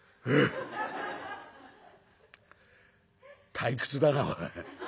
退屈だなおい。